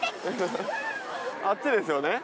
あっちですよね？